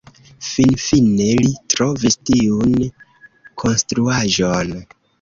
Finfine li trovis tiun konstruaĵon.